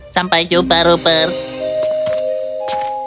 sampai jumpa rupert